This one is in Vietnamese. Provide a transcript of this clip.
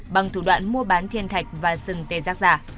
bằng thủ đoạn mua bán thiên thạch và sừng tê giác giả